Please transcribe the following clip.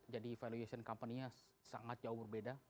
jadi valuasi company nya sangat jauh berbeda